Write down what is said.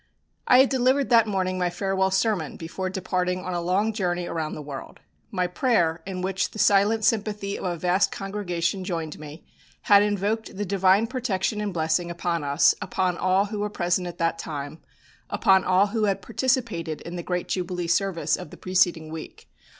I had delivered that morning my farewell sermon before departing on a long journey around the world. My prayer, in which the silent sympathy of a vast congregation joined me, had invoked the Divine protection and blessing upon us, upon all who were present at that time, upon all who had participated in the great jubilee service of the preceding week.